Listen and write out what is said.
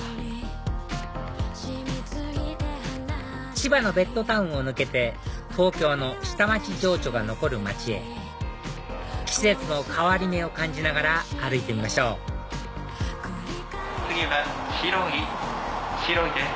千葉のベッドタウンを抜けて東京の下町情緒が残る街へ季節の変わり目を感じながら歩いてみましょう次は白井白井です。